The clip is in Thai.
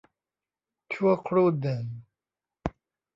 ชั่วครู่หนึ่ง